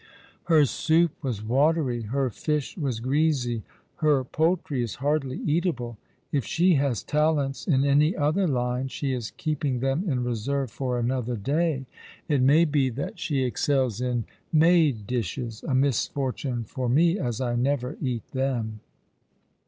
Her soup was watery, her fish was greasy, her poultry is hardly eatable. If she has talents in any other line she is keeping them in reserve for another day. It may be that she excels in made dishes — a misfortune for me, as I never eat them."